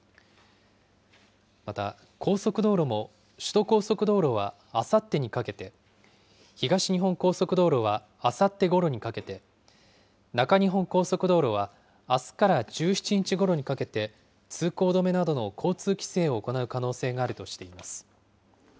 また、高速道路も首都高速道路はあさってにかけて、東日本高速道路はあさってごろにかけて、中日本高速道路はあすから１７日ごろにかけて、通行止めなどの交通規制を行う可能性があるとしています。